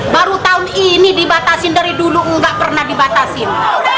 baru tahun ini dibatasin dari dulu nggak pernah dibatasin